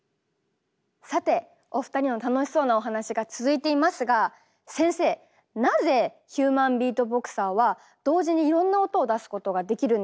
さてお二人の楽しそうなお話が続いていますが先生なぜヒューマンビートボクサーは同時にいろんな音を出すことができるのでしょうか？